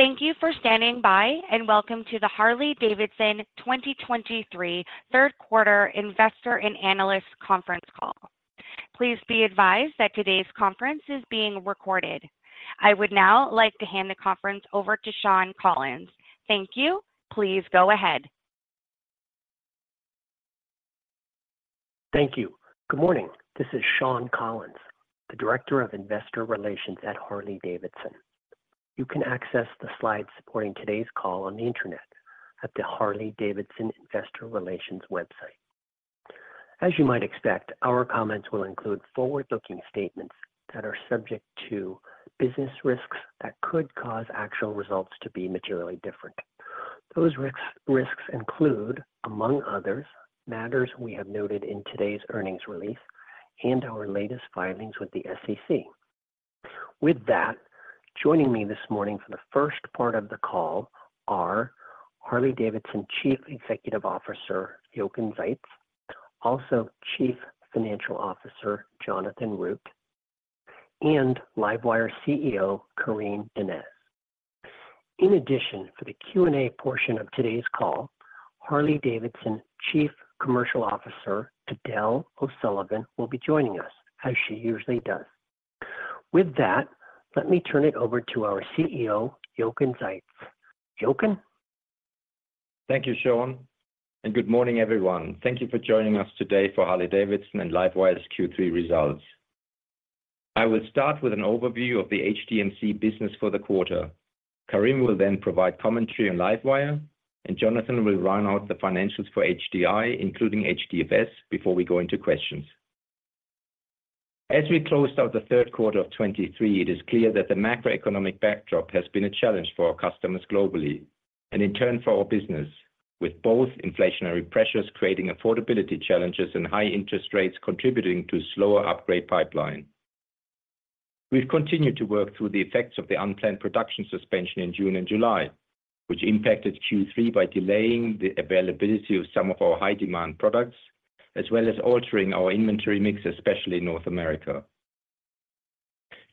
Thank you for standing by, and welcome to the Harley-Davidson 2023 Q3 investor and analyst conference call. Please be advised that today's conference is being recorded. I would now like to hand the conference over to Shawn Collins. Thank you. Please go ahead. Thank you. Good morning. This is Shawn Collins, the Director of Investor Relations at Harley-Davidson. You can access the slides supporting today's call on the Internet at the Harley-Davidson Investor Relations website. As you might expect, our comments will include forward-looking statements that are subject to business risks that could cause actual results to be materially different. Those risks include, among others, matters we have noted in today's earnings release and our latest filings with the SEC. With that, joining me this morning for the first part of the call are Harley-Davidson Chief Executive Officer Jochen Zeitz, also Chief Financial Officer Jonathan Root, and LiveWire CEO Karim Donnez. In addition, for the Q&A portion of today's call, Harley-Davidson Chief Commercial Officer Edel O'Sullivan will be joining us, as she usually does. With that, let me turn it over to our CEO, Jochen Zeitz. Jochen? Thank you, Shawn, and good morning, everyone. Thank you for joining us today for Harley-Davidson and LiveWire's Q3 results. I will start with an overview of the HDMC business for the quarter. Karim will then provide commentary on LiveWire, and Jonathan will round out the financials for HDI, including HDFS, before we go into questions. As we closed out the Q3 of 2023, it is clear that the macroeconomic backdrop has been a challenge for our customers globally and in turn, for our business, with both inflationary pressures creating affordability challenges and high interest rates contributing to slower upgrade pipeline. We've continued to work through the effects of the unplanned production suspension in June and July, which impacted Q3 by delaying the availability of some of our high demand products, as well as altering our inventory mix, especially in North America.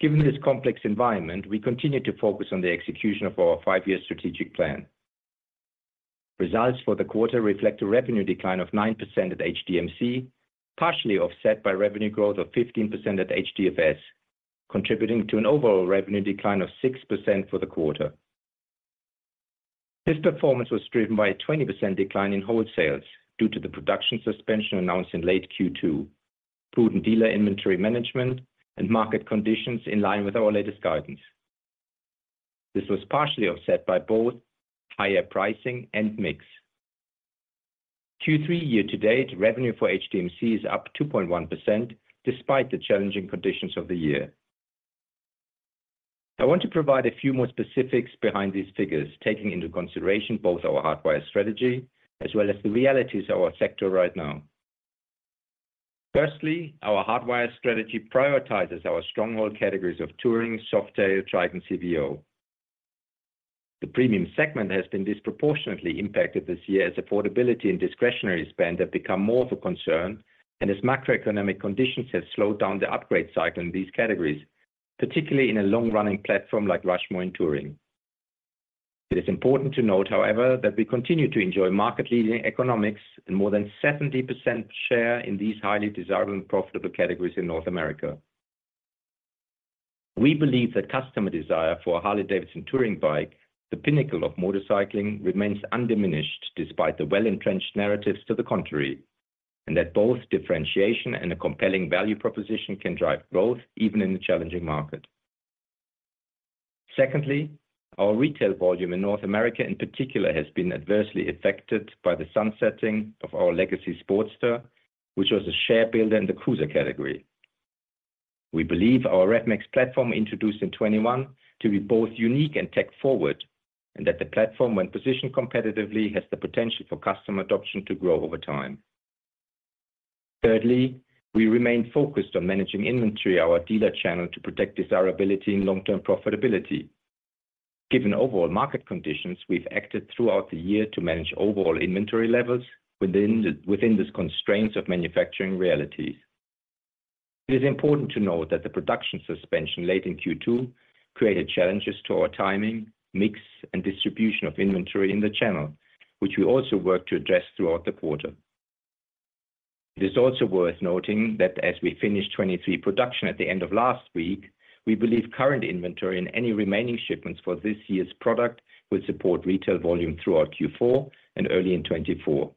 Given this complex environment, we continue to focus on the execution of our five-year strategic plan. Results for the quarter reflect a revenue decline of 9% at HDMC, partially offset by revenue growth of 15% at HDFS, contributing to an overall revenue decline of 6% for the quarter. This performance was driven by a 20% decline in wholesales due to the production suspension announced in late Q2, prudent dealer inventory management, and market conditions in line with our latest guidance. This was partially offset by both higher pricing and mix. Q3 year to date, revenue for HDMC is up 2.1%, despite the challenging conditions of the year. I want to provide a few more specifics behind these figures, taking into consideration both our Hardwire strategy as well as the realities of our sector right now. Firstly, our Hardwire strategy prioritizes our stronghold categories of Touring, Softail, Trike, and CVO. The premium segment has been disproportionately impacted this year as affordability and discretionary spend have become more of a concern, and as macroeconomic conditions have slowed down the upgrade cycle in these categories, particularly in a long-running platform like Rushmore and Touring. It is important to note, however, that we continue to enjoy market-leading economics and more than 70% share in these highly desirable and profitable categories in North America. We believe that customer desire for a Harley-Davidson touring bike, the pinnacle of motorcycling, remains undiminished, despite the well-entrenched narratives to the contrary, and that both differentiation and a compelling value proposition can drive growth even in a challenging market. Secondly, our retail volume in North America, in particular, has been adversely affected by the sunsetting of our legacy Sportster, which was a share builder in the cruiser category. We believe our RevMax platform, introduced in 2021, to be both unique and tech forward, and that the platform, when positioned competitively, has the potential for customer adoption to grow over time. Thirdly, we remain focused on managing inventory, our dealer channel, to protect desirability and long-term profitability. Given overall market conditions, we've acted throughout the year to manage overall inventory levels within the constraints of manufacturing realities. It is important to note that the production suspension late in Q2 created challenges to our timing, mix, and distribution of inventory in the channel, which we also worked to address throughout the quarter. It is also worth noting that as we finish 2023 production at the end of last week, we believe current inventory and any remaining shipments for this year's product will support retail volume throughout Q4 and early in 2024.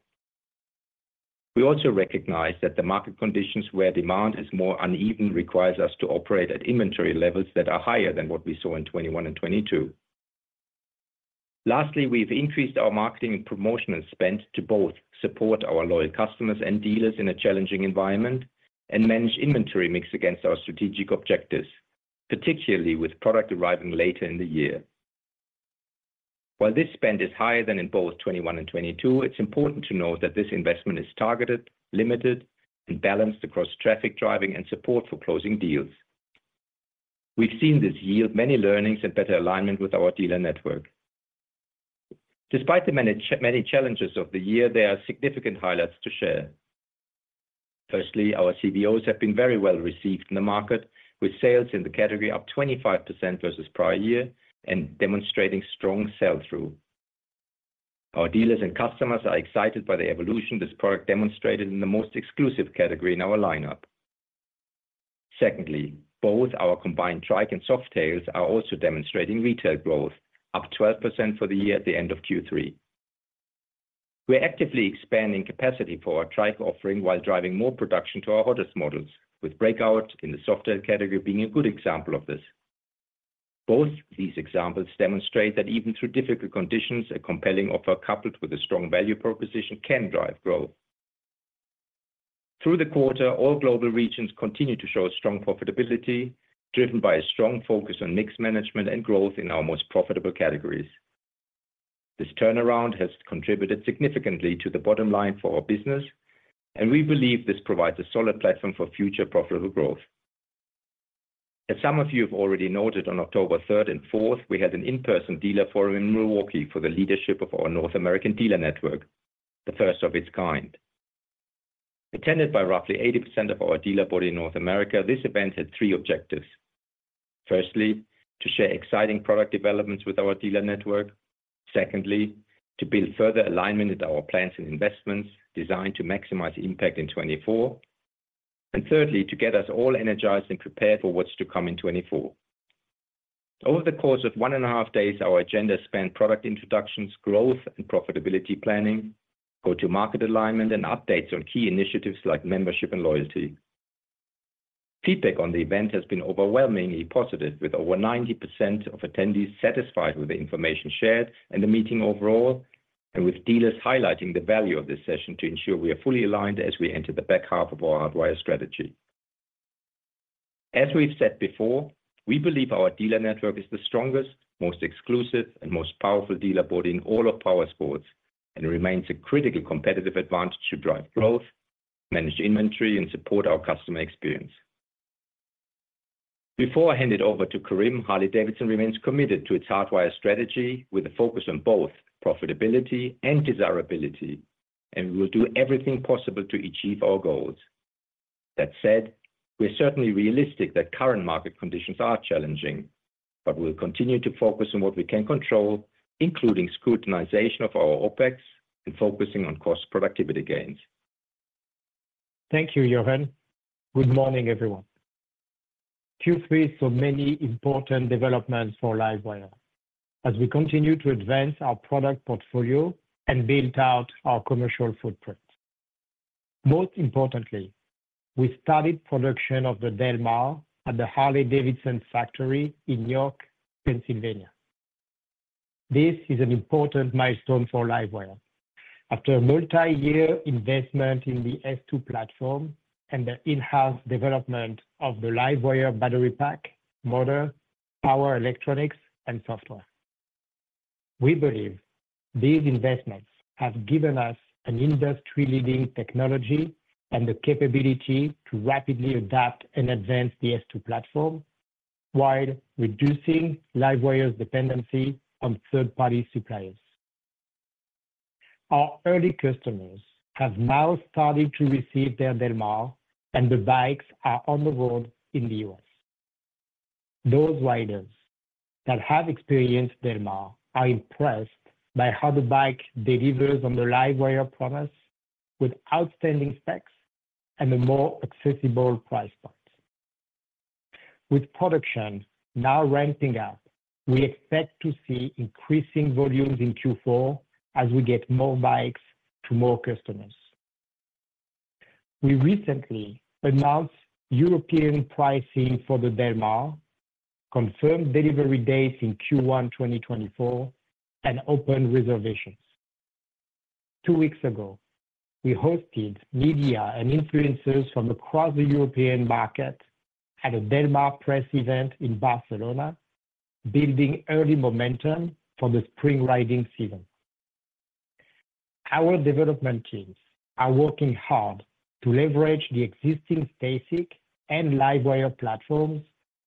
We also recognize that the market conditions where demand is more uneven requires us to operate at inventory levels that are higher than what we saw in 2021 and 2022. Lastly, we've increased our marketing and promotional spend to both support our loyal customers and dealers in a challenging environment and manage inventory mix against our strategic objectives, particularly with product arriving later in the year. While this spend is higher than in both 2021 and 2022, it's important to note that this investment is targeted, limited, and balanced across traffic driving and support for closing deals. We've seen this yield many learnings and better alignment with our dealer network.... Despite the many challenges of the year, there are significant highlights to share. Firstly, our CVOs have been very well received in the market, with sales in the category up 25% versus prior year, and demonstrating strong sell-through. Our dealers and customers are excited by the evolution this product demonstrated in the most exclusive category in our lineup. Secondly, both our combined Trike and Softails are also demonstrating retail growth, up 12% for the year at the end of Q3. We're actively expanding capacity for our Trike offering while driving more production to our hottest models, with Breakout in the Softail category being a good example of this. Both these examples demonstrate that even through difficult conditions, a compelling offer coupled with a strong value proposition, can drive growth. Through the quarter, all global regions continued to show strong profitability, driven by a strong focus on mix management and growth in our most profitable categories. This turnaround has contributed significantly to the bottom line for our business, and we believe this provides a solid platform for future profitable growth. As some of you have already noted, on October third and fourth, we had an in-person dealer forum in Milwaukee for the leadership of our North American dealer network, the first of its kind. Attended by roughly 80% of our dealer body in North America, this event had three objectives, firstly, to share exciting product developments with our dealer network, secondly, to build further alignment with our plans and investments designed to maximize impact in 2024, and thirdly, to get us all energized and prepared for what's to come in 2024. Over the course of one and a half days, our agenda spanned product introductions, growth and profitability planning, go-to-market alignment, and updates on key initiatives like membership and loyalty. Feedback on the event has been overwhelmingly positive, with over 90% of attendees satisfied with the information shared and the meeting overall, and with dealers highlighting the value of this session to ensure we are fully aligned as we enter the back half of our Hardwire strategy. As we've said before, we believe our dealer network is the strongest, most exclusive and most powerful dealer body in all of powersports, and remains a critical competitive advantage to drive growth, manage inventory, and support our customer experience. Before I hand it over to Karim, Harley-Davidson remains committed to its Hardwire strategy, with a focus on both profitability and desirability, and we will do everything possible to achieve our goals. That said, we're certainly realistic that current market conditions are challenging, but we'll continue to focus on what we can control, including scrutinization of our OpEx and focusing on cost productivity gains. Thank you, Jochen. Good morning, everyone. Q3, so many important developments for LiveWire. As we continue to advance our product portfolio and build out our commercial footprint. Most importantly, we started production of the Del Mar at the Harley-Davidson factory in York, Pennsylvania. This is an important milestone for LiveWire. After a multi-year investment in the S2 platform and the in-house development of the LiveWire battery pack, motor, power electronics, and software. We believe these investments have given us an industry-leading technology and the capability to rapidly adapt and advance the S2 platform, while reducing LiveWire's dependency on third-party suppliers. Our early customers have now started to receive their Del Mar, and the bikes are on the road in the US Those riders that have experienced Del Mar are impressed by how the bike delivers on the LiveWire promise, with outstanding specs and a more accessible price point. With production now ramping up, we expect to see increasing volumes in Q4 as we get more bikes to more customers. We recently announced European pricing for the Del Mar, confirmed delivery dates in Q1 2024, and opened reservations. Two weeks ago, we hosted media and influencers from across the European market at a Del Mar press event in Barcelona, building early momentum for the spring riding season. Our development teams are working hard to leverage the existing S2 and LiveWire platforms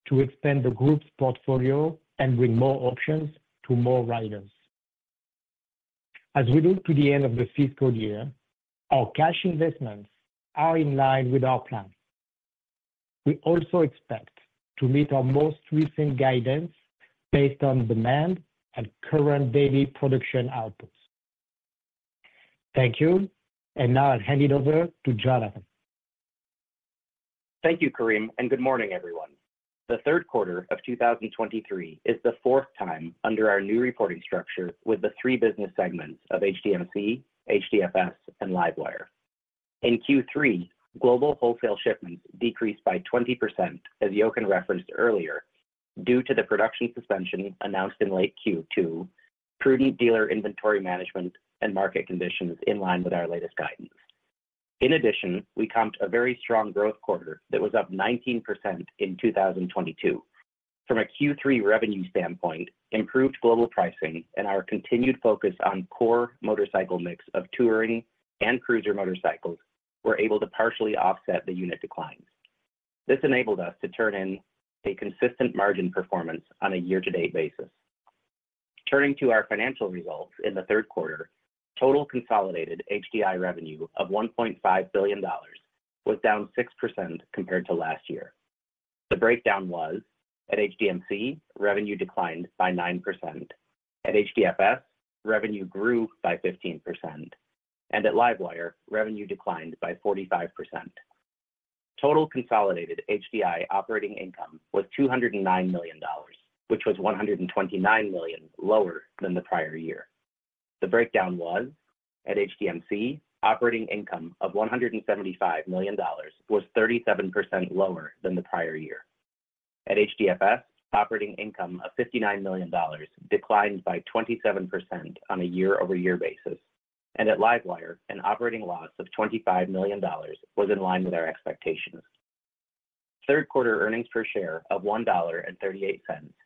to expand the group's portfolio and bring more options to more riders. As we look to the end of the fiscal year, our cash investments are in line with our plan. We also expect to meet our most recent guidance based on demand and current daily production outputs. Thank you, and now I'll hand it over to Jonathan. Thank you, Karim, and good morning, everyone. The Q3 of 2023 is the fourth time under our new reporting structure with the three business segments of HDMC, HDFS, and LiveWire. In Q3, global wholesale shipments decreased by 20%, as Jochen referenced earlier, due to the production suspension announced in late Q2, prudent dealer inventory management, and market conditions in line with our latest guidance. In addition, we comped a very strong growth quarter that was up 19% in 2022. From a Q3 revenue standpoint, improved global pricing and our continued focus on core motorcycle mix of touring and cruiser motorcycles, were able to partially offset the unit declines.... This enabled us to turn in a consistent margin performance on a year-to-date basis. Turning to our financial results in the Q3, total consolidated HDI revenue of $1.5 billion was down 6% compared to last year. The breakdown was, at HDMC, revenue declined by 9%. At HDFS, revenue grew by 15%, and at LiveWire, revenue declined by 45%. Total consolidated HDI operating income was $209 million, which was $129 million lower than the prior year. The breakdown was, at HDMC, operating income of $175 million was 37% lower than the prior year. At HDFS, operating income of $59 million declined by 27% on a year-over-year basis, and at LiveWire, an operating loss of $25 million was in line with our expectations. Q3 earnings per share of $1.38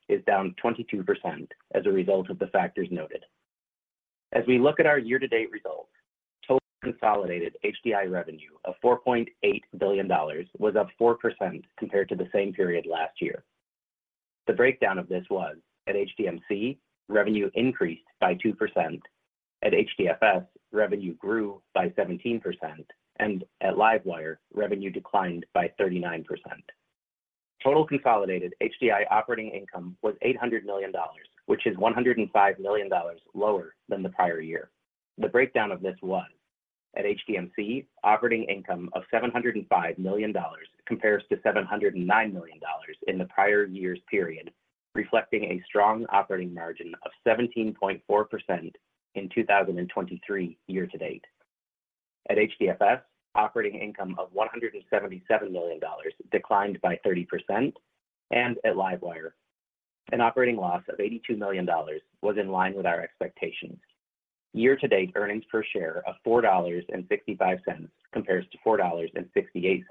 is down 22% as a result of the factors noted. As we look at our year-to-date results, total consolidated HDI revenue of $4.8 billion was up 4% compared to the same period last year. The breakdown of this was: at HDMC, revenue increased by 2%. At HDFS, revenue grew by 17%, and at LiveWire, revenue declined by 39%. Total consolidated HDI operating income was $800 million, which is $105 million lower than the prior year. The breakdown of this was: at HDMC, operating income of $705 million compares to $709 million in the prior year's period, reflecting a strong operating margin of 17.4% in 2023 year-to-date. At HDFS, operating income of $177 million declined by 30%, and at LiveWire, an operating loss of $82 million was in line with our expectations. Year-to-date earnings per share of $4.65 compares to $4.68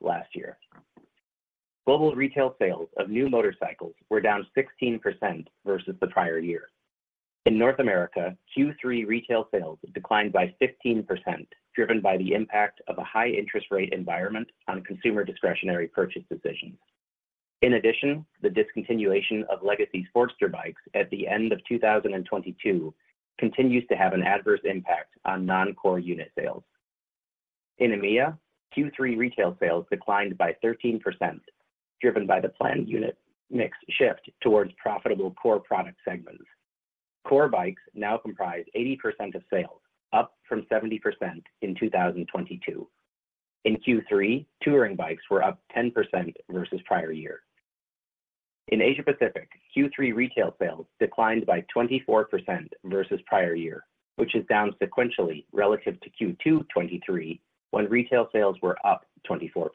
last year. Global retail sales of new motorcycles were down 16% versus the prior year. In North America, Q3 retail sales declined by 15%, driven by the impact of a high interest rate environment on consumer discretionary purchase decisions. In addition, the discontinuation of legacy Sportster bikes at the end of 2022 continues to have an adverse impact on non-core unit sales. In EMEA, Q3 retail sales declined by 13%, driven by the planned unit mix shift towards profitable core product segments. Core bikes now comprise 80% of sales, up from 70% in 2022. In Q3, touring bikes were up 10% versus prior year. In Asia Pacific, Q3 retail sales declined by 24% versus prior year, which is down sequentially relative to Q2 2023, when retail sales were up 24%.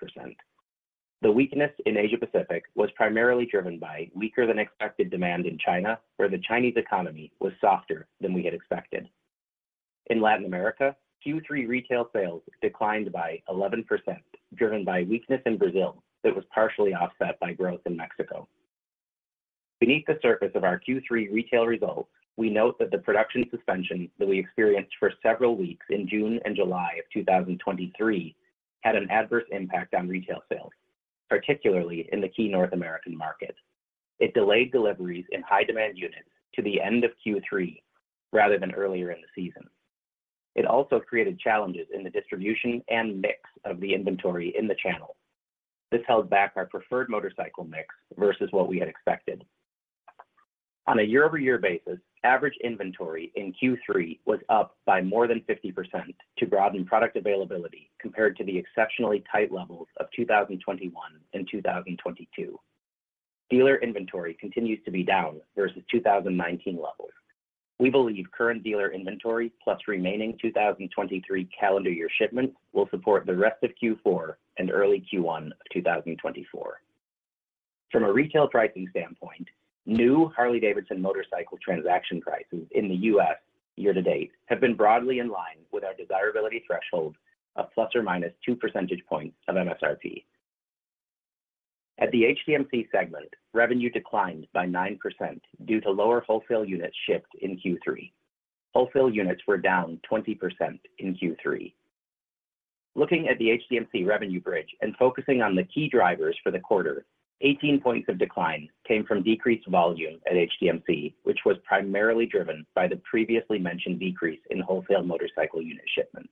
The weakness in Asia Pacific was primarily driven by weaker than expected demand in China, where the Chinese economy was softer than we had expected. In Latin America, Q3 retail sales declined by 11%, driven by weakness in Brazil that was partially offset by growth in Mexico. Beneath the surface of our Q3 retail results, we note that the production suspension that we experienced for several weeks in June and July of 2023, had an adverse impact on retail sales, particularly in the key North American market. It delayed deliveries in high-demand units to the end of Q3 rather than earlier in the season. It also created challenges in the distribution and mix of the inventory in the channel. This held back our preferred motorcycle mix versus what we had expected. On a year-over-year basis, average inventory in Q3 was up by more than 50% to broaden product availability compared to the exceptionally tight levels of 2021 and 2022. Dealer inventory continues to be down versus 2019 levels. We believe current dealer inventory, plus remaining 2023 calendar year shipments, will support the rest of Q4 and early Q1 of 2024. From a retail pricing standpoint, new Harley-Davidson motorcycle transaction prices in the U.S. year to date have been broadly in line with our desirability threshold of ±2 percentage points of MSRP. At the HDMC segment, revenue declined by 9% due to lower wholesale units shipped in Q3. Wholesale units were down 20% in Q3. Looking at the HDMC revenue bridge and focusing on the key drivers for the quarter, 18 points of decline came from decreased volume at HDMC, which was primarily driven by the previously mentioned decrease in wholesale motorcycle unit shipments.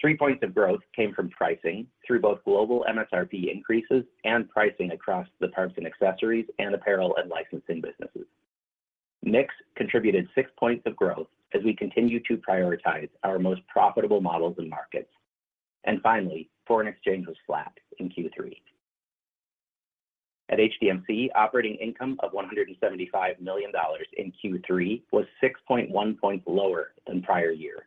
Three points of growth came from pricing through both global MSRP increases and pricing across the parts and accessories, and apparel and licensing businesses. Mix contributed six points of growth as we continue to prioritize our most profitable models and markets. And finally, foreign exchange was flat in Q3. At HDMC, operating income of $175 million in Q3 was 6.1 points lower than prior year,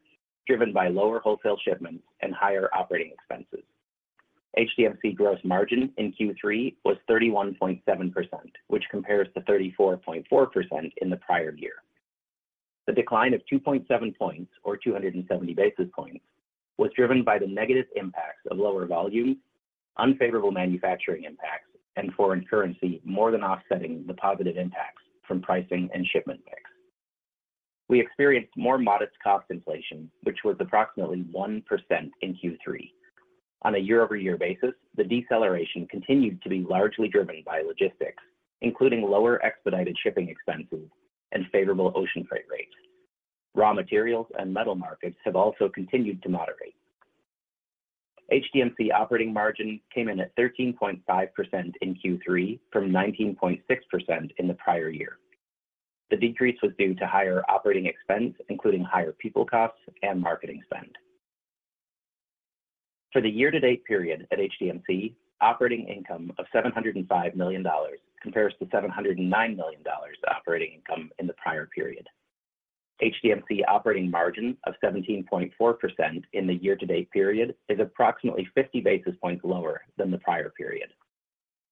driven by lower wholesale shipments and higher operating expenses. HDMC gross margin in Q3 was 31.7%, which compares to 34.4% in the prior year. The decline of 2.7 points or 270 basis points, was driven by the negative impacts of lower volume, unfavorable manufacturing impacts, and foreign currency, more than offsetting the positive impacts from pricing and shipment mix.... We experienced more modest cost inflation, which was approximately 1% in Q3. On a year-over-year basis, the deceleration continued to be largely driven by logistics, including lower expedited shipping expenses and favorable ocean freight rates. Raw materials and metal markets have also continued to moderate. HDMC operating margin came in at 13.5% in Q3, from 19.6% in the prior year. The decrease was due to higher operating expense, including higher people costs and marketing spend. For the year-to-date period at HDMC, operating income of $705 million compares to $709 million operating income in the prior period. HDMC operating margin of 17.4% in the year-to-date period is approximately 50 basis points lower than the prior period.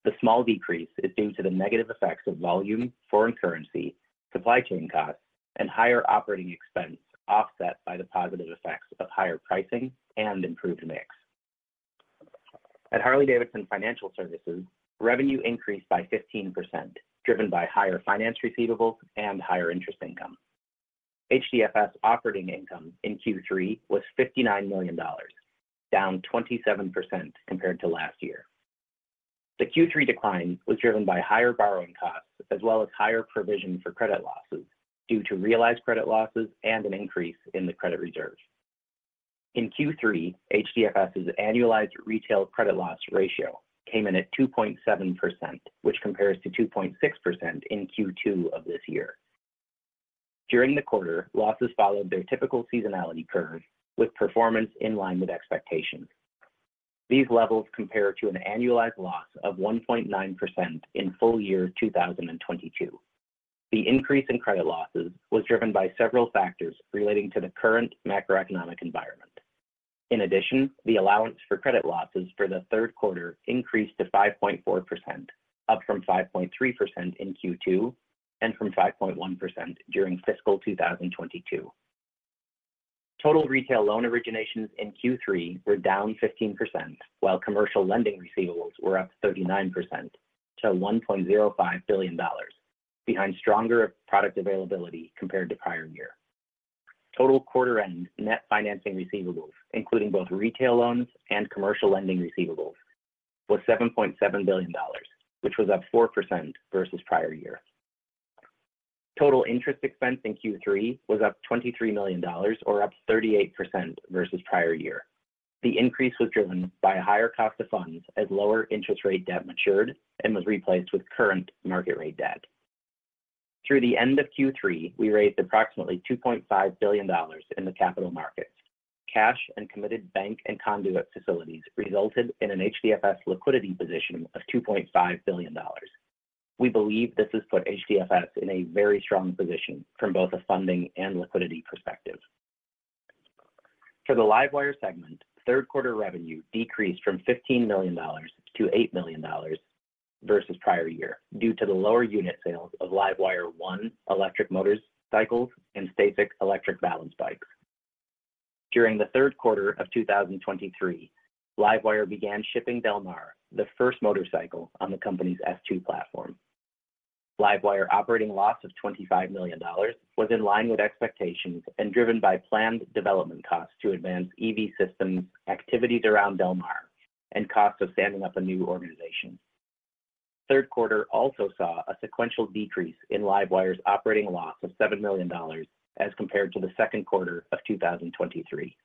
The small decrease is due to the negative effects of volume, foreign currency, supply chain costs, and higher operating expense, offset by the positive effects of higher pricing and improved mix. At Harley-Davidson Financial Services, revenue increased by 15%, driven by higher finance receivables and higher interest income. HDFS operating income in Q3 was $59 million, down 27% compared to last year. The Q3 decline was driven by higher borrowing costs, as well as higher provision for credit losses, due to realized credit losses and an increase in the credit reserve. In Q3, HDFS's annualized retail credit loss ratio came in at 2.7%, which compares to 2.6% in Q2 of this year. During the quarter, losses followed their typical seasonality curve, with performance in line with expectations. These levels compare to an annualized loss of 1.9% in full year 2022. The increase in credit losses was driven by several factors relating to the current macroeconomic environment. In addition, the allowance for credit losses for the Q3 increased to 5.4%, up from 5.3% in Q2, and from 5.1% during fiscal 2022. Total retail loan originations in Q3 were down 15%, while commercial lending receivables were up 39% to $1.05 billion, behind stronger product availability compared to prior year. Total quarter-end net financing receivables, including both retail loans and commercial lending receivables, was $7.7 billion, which was up 4% versus prior year. Total interest expense in Q3 was up $23 million or up 38% versus prior year. The increase was driven by a higher cost of funds, as lower interest rate debt matured and was replaced with current market rate debt. Through the end of Q3, we raised approximately $2.5 billion in the capital markets. Cash and committed bank and conduit facilities resulted in an HDFS liquidity position of $2.5 billion. We believe this has put HDFS in a very strong position from both a funding and liquidity perspective. For the LiveWire segment, Q3 revenue decreased from $15 million to $8 million versus prior year, due to the lower unit sales of LiveWire ONE electric motorcycles and STACYC electric balance bikes. During the Q3 of 2023, LiveWire began shipping Del Mar, the first motorcycle on the company's S2 platform. LiveWire operating loss of $25 million was in line with expectations and driven by planned development costs to advance EV systems, activities around Del Mar, and cost of standing up a new organization. Q3 also saw a sequential decrease in LiveWire's operating loss of $7 million as compared to the Q2 of 2023.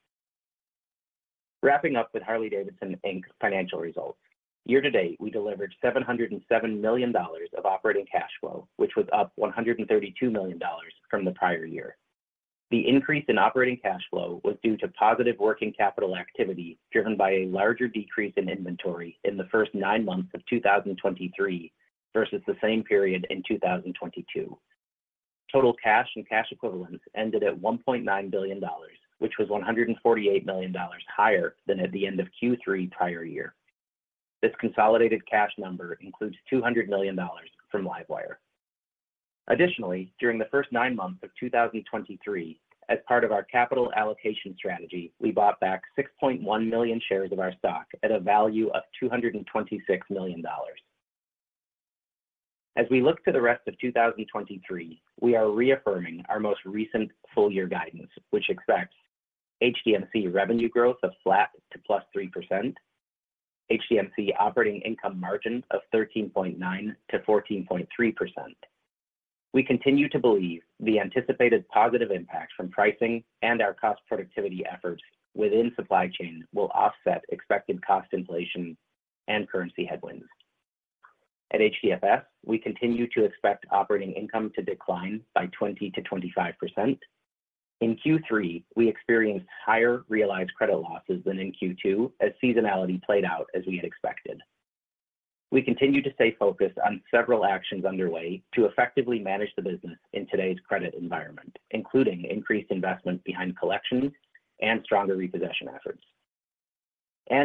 Wrapping up with Harley-Davidson Inc.'s financial results. Year to date, we delivered $707 million of operating cash flow, which was up $132 million from the prior year. The increase in operating cash flow was due to positive working capital activity, driven by a larger decrease in inventory in the first nine months of 2023 versus the same period in 2022. Total cash and cash equivalents ended at $1.9 billion, which was $148 million higher than at the end of Q3 prior year. This consolidated cash number includes $200 million from LiveWire. Additionally, during the first 9 months of 2023, as part of our capital allocation strategy, we bought back 6.1 million shares of our stock at a value of $226 million. As we look to the rest of 2023, we are reaffirming our most recent full year guidance, which expects HDMC revenue growth of flat to +3%, HDMC operating income margin of 13.9%-14.3%. We continue to believe the anticipated positive impact from pricing and our cost productivity efforts within supply chain will offset expected cost inflation and currency headwinds. At HDFS, we continue to expect operating income to decline by 20%-25%. In Q3, we experienced higher realized credit losses than in Q2, as seasonality played out as we had expected. We continue to stay focused on several actions underway to effectively manage the business in today's credit environment, including increased investment behind collections and stronger repossession efforts.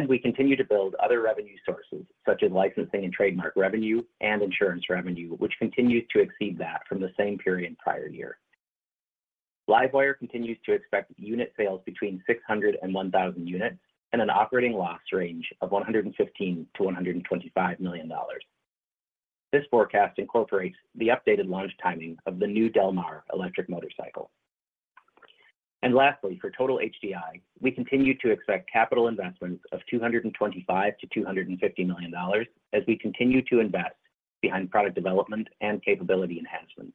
We continue to build other revenue sources, such as licensing and trademark revenue and insurance revenue, which continues to exceed that from the same period prior year. LiveWire continues to expect unit sales between 600 and 1,000 units, and an operating loss range of $115 million-125 million. This forecast incorporates the updated launch timing of the new Del Mar electric motorcycle. Lastly, for total HDI, we continue to expect capital investments of $225 million-250 million as we continue to invest behind product development and capability enhancements.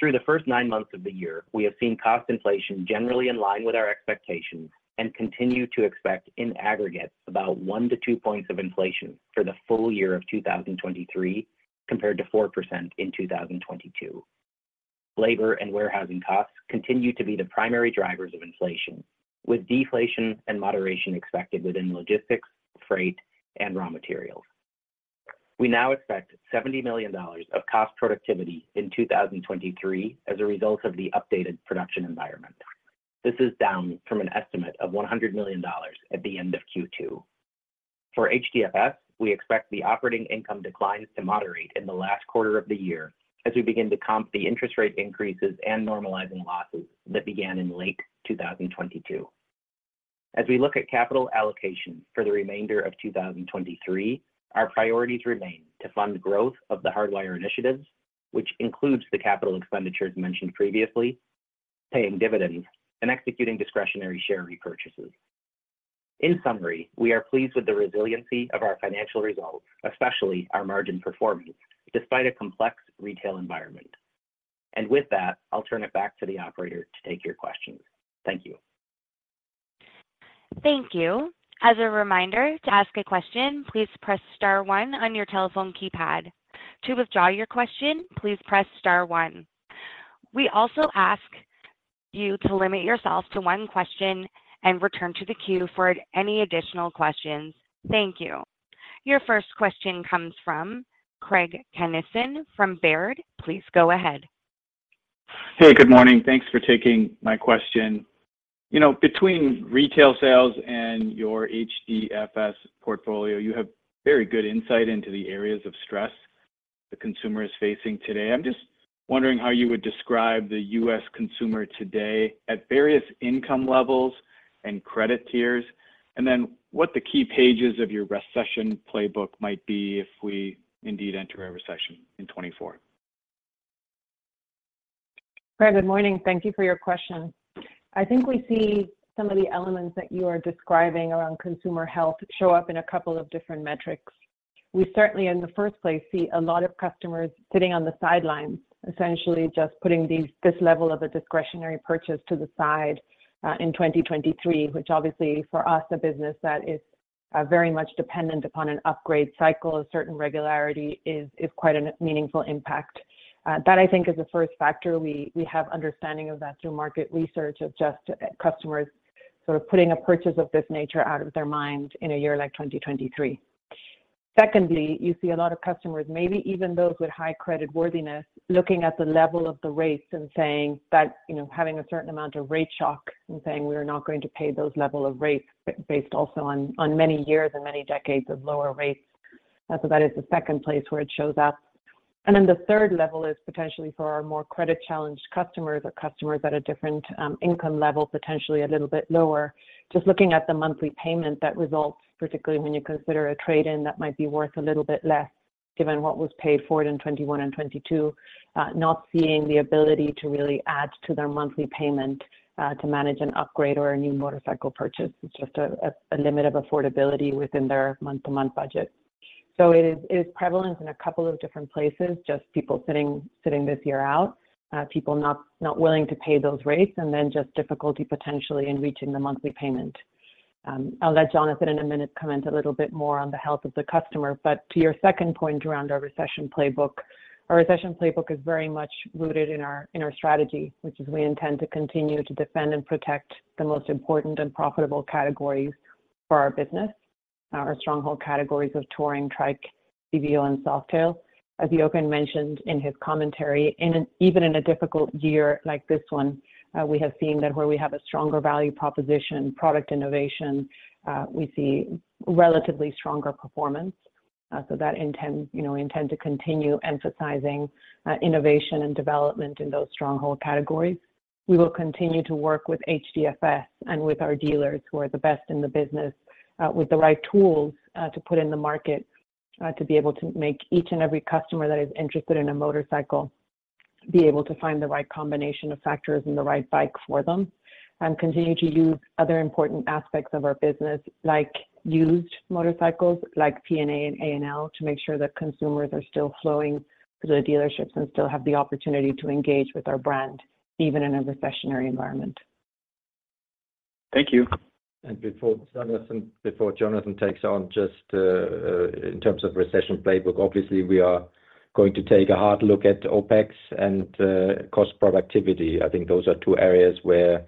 Through the first nine months of the year, we have seen cost inflation generally in line with our expectations, and continue to expect in aggregate, about one to two points of inflation for the full year of 2023, compared to 4% in 2022. Labor and warehousing costs continue to be the primary drivers of inflation, with deflation and moderation expected within logistics, freight, and raw materials. We now expect $70 million of cost productivity in 2023 as a result of the updated production environment. This is down from an estimate of $100 million at the end of Q2. For HDFS, we expect the operating income declines to moderate in the last quarter of the year as we begin to comp the interest rate increases and normalizing losses that began in late 2022. As we look at capital allocation for the remainder of 2023, our priorities remain to fund growth of the Hardwire initiatives, which includes the capital expenditures mentioned previously, paying dividends and executing discretionary share repurchases. In summary, we are pleased with the resiliency of our financial results, especially our margin performance, despite a complex retail environment. With that, I'll turn it back to the operator to take your questions. Thank you. Thank you. As a reminder, to ask a question, please press star one on your telephone keypad. To withdraw your question, please press star one. We also ask you to limit yourself to one question and return to the queue for any additional questions. Thank you. Your first question comes from Craig Kennison from Baird. Please go ahead. Hey, good morning. Thanks for taking my question. You know, between retail sales and your HDFS portfolio, you have very good insight into the areas of stress the consumer is facing today. I'm just wondering how you would describe the US consumer today at various income levels and credit tiers, and then what the key pages of your recession playbook might be if we indeed enter a recession in 2024. Craig, good morning. Thank you for your question. I think we see some of the elements that you are describing around consumer health show up in a couple of different metrics. We certainly, in the first place, see a lot of customers sitting on the sidelines, essentially just putting this level of a discretionary purchase to the side, in 2023, which obviously for us, a business that is, very much dependent upon an upgrade cycle, a certain regularity is quite a meaningful impact. That I think is the first factor. We have understanding of that through market research of just customers sort of putting a purchase of this nature out of their mind in a year like 2023. Secondly, you see a lot of customers, maybe even those with high creditworthiness, looking at the level of the rates and saying that, you know, having a certain amount of rate shock and saying, "We are not going to pay those level of rates," based also on many years and many decades of lower rates. So that is the second place where it shows up. And then the third level is potentially for our more credit-challenged customers or customers at a different, income level, potentially a little bit lower. Just looking at the monthly payment, that results, particularly when you consider a trade-in, that might be worth a little bit less given what was paid for it in 2021 and 2022, not seeing the ability to really add to their monthly payment, to manage an upgrade or a new motorcycle purchase. It's just a limit of affordability within their month-to-month budget. So it is prevalent in a couple of different places, just people sitting this year out, people not willing to pay those rates, and then just difficulty potentially in reaching the monthly payment. I'll let Jonathan in a minute comment a little bit more on the health of the customer. But to your second point around our recession playbook, our recession playbook is very much rooted in our strategy, which is we intend to continue to defend and protect the most important and profitable categories for our business. Our stronghold categories of Touring, Trike, CVO, and Softail. As Jochen mentioned in his commentary, even in a difficult year like this one, we have seen that where we have a stronger value proposition, product innovation, we see relatively stronger performance. So that intent, you know, we intend to continue emphasizing, innovation and development in those stronghold categories. We will continue to work with HDFS and with our dealers, who are the best in the business, with the right tools, to put in the market, to be able to make each and every customer that is interested in a motorcycle be able to find the right combination of factors and the right bike for them. Continue to use other important aspects of our business, like used motorcycles, like P&A and A&L, to make sure that consumers are still flowing to the dealerships and still have the opportunity to engage with our brand, even in a recessionary environment. Thank you. Before Jonathan takes on, just, in terms of recession playbook, obviously, we are going to take a hard look at OpEx and cost productivity. I think those are two areas where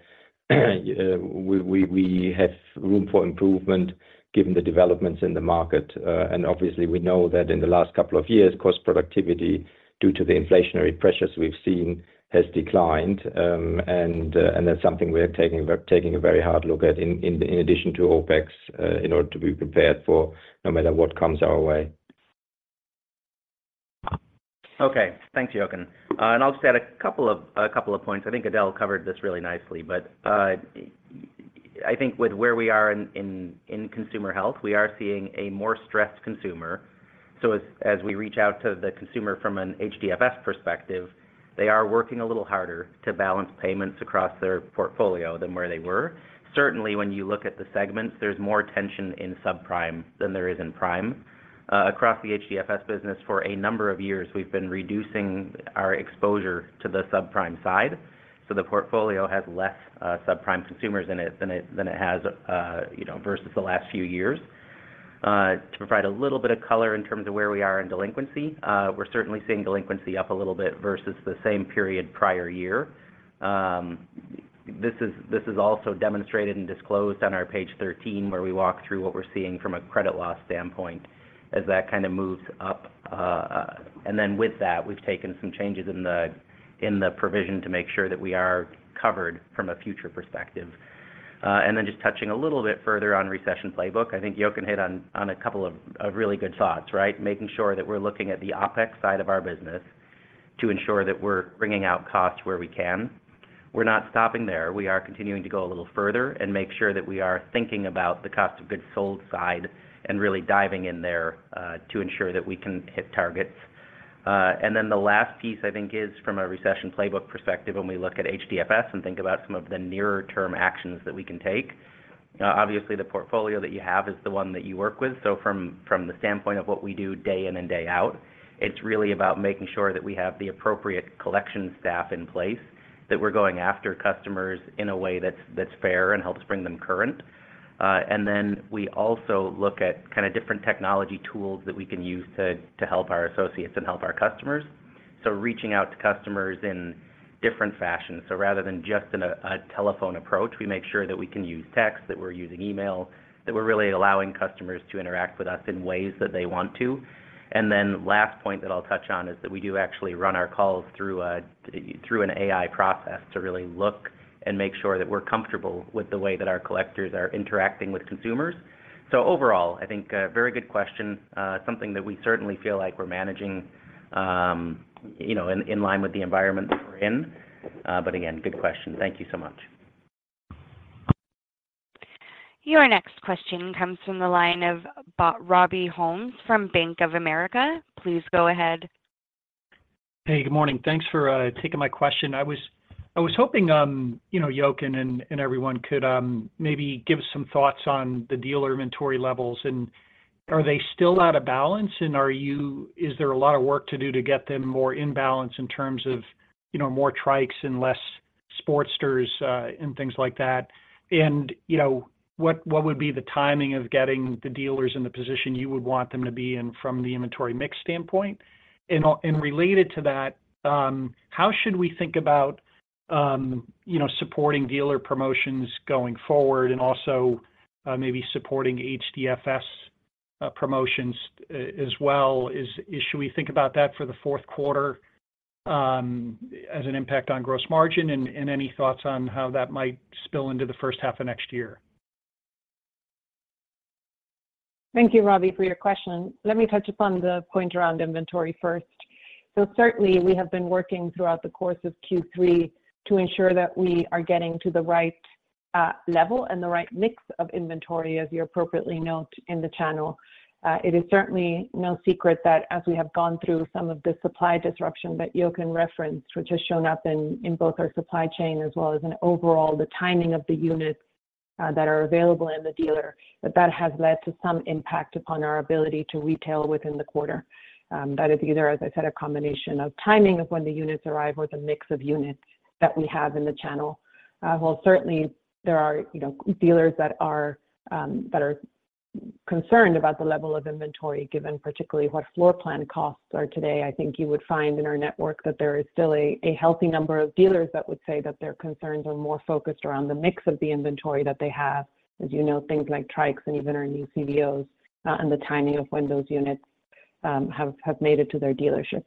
we have room for improvement given the developments in the market. And obviously, we know that in the last couple of years, cost productivity, due to the inflationary pressures we've seen, has declined. And that's something we are taking a very hard look at in addition to OpEx, in order to be prepared for no matter what comes our way. Okay, thanks, Jochen. And I'll just add a couple of points. I think Edel covered this really nicely, but I think with where we are in consumer health, we are seeing a more stressed consumer. So as we reach out to the consumer from an HDFS perspective, they are working a little harder to balance payments across their portfolio than where they were. Certainly, when you look at the segments, there's more tension in subprime than there is in prime. Across the HDFS business for a number of years, we've been reducing our exposure to the subprime side, so the portfolio has less subprime consumers in it than it has, you know, versus the last few years. To provide a little bit of color in terms of where we are in delinquency, we're certainly seeing delinquency up a little bit versus the same period prior year. This is also demonstrated and disclosed on our page 13, where we walk through what we're seeing from a credit loss standpoint as that kind of moves up. And then with that, we've taken some changes in the provision to make sure that we are covered from a future perspective. And then just touching a little bit further on recession playbook, I think Jochen hit on a couple of really good thoughts, right? Making sure that we're looking at the OpEx side of our business to ensure that we're wringing out costs where we can. We're not stopping there. We are continuing to go a little further and make sure that we are thinking about the cost of goods sold side and really diving in there, to ensure that we can hit targets. And then the last piece, I think, is from a recession playbook perspective, when we look at HDFS and think about some of the nearer-term actions that we can take. Obviously, the portfolio that you have is the one that you work with, so from the standpoint of what we do day in and day out, it's really about making sure that we have the appropriate collection staff in place, that we're going after customers in a way that's fair and helps bring them current. And then we also look at kind of different technology tools that we can use to help our associates and help our customers, so reaching out to customers in different fashions. So rather than just in a telephone approach, we make sure that we can use text, that we're using email, that we're really allowing customers to interact with us in ways that they want to. And then last point that I'll touch on is that we do actually run our calls through an AI process to really look and make sure that we're comfortable with the way that our collectors are interacting with consumers. So overall, I think a very good question, something that we certainly feel like we're managing, you know, in line with the environment that we're in. But again, good question. Thank you so much. Your next question comes from the line of Robbie Ohmes from Bank of America. Please go ahead. Hey, good morning. Thanks for taking my question. I was hoping, you know, Jochen and everyone could maybe give some thoughts on the dealer inventory levels, and are they still out of balance? And is there a lot of work to do to get them more in balance in terms of, you know, more Trikes and less Sportsters, and things like that? And, you know, what would be the timing of getting the dealers in the position you would want them to be in from the inventory mix standpoint? And related to that, how should we think about, you know, supporting dealer promotions going forward and also, maybe supporting HDFS promotions as well? Should we think about that for the Q4, as an impact on gross margin? And any thoughts on how that might spill into the first half of next year? Thank you, Robbie, for your question. Let me touch upon the point around inventory first. So certainly, we have been working throughout the course of Q3 to ensure that we are getting to the right level and the right mix of inventory, as you appropriately note, in the channel. It is certainly no secret that as we have gone through some of the supply disruption that Jochen referenced, which has shown up in both our supply chain as well as in overall the timing of the units that are available in the dealer, that has led to some impact upon our ability to retail within the quarter. That is either, as I said, a combination of timing of when the units arrive or the mix of units that we have in the channel. While certainly there are, you know, dealers that are concerned about the level of inventory, given particularly what floor plan costs are today, I think you would find in our network that there is still a healthy number of dealers that would say that their concerns are more focused around the mix of the inventory that they have. As you know, things like Trike and even our new CVOs, and the timing of when those units have made it to their dealerships.